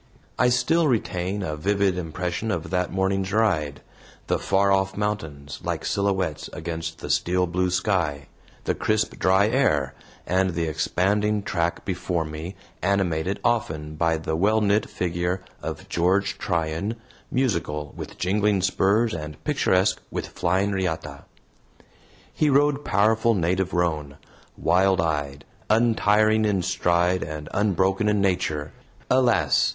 I still retain a vivid impression of that morning's ride, the far off mountains, like silhouettes, against the steel blue sky, the crisp dry air, and the expanding track before me, animated often by the well knit figure of George Tryan, musical with jingling spurs and picturesque with flying riata. He rode powerful native roan, wild eyed, untiring in stride and unbroken in nature. Alas!